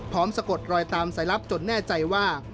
พร้อมสะกดรอยตามสายรับโจทย์แน่ใจว่า